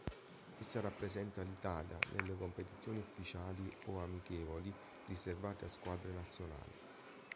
Essa rappresenta l'Italia nelle competizioni ufficiali o amichevoli riservate a squadre nazionali.